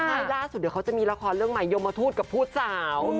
ใช่ล่าสุดเดี๋ยวเขาจะมีละครเรื่องใหม่ยมทูตกับผู้สาว